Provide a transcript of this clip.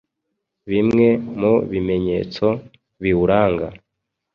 Bimwe mu bimenyetso biwuranga